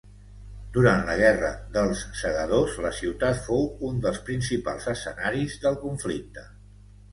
Durant la Guerra dels Segadors la ciutat fou un dels principals escenaris del conflicte.